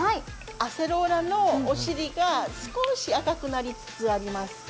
アセローラのお尻が少し赤くなりつつあります。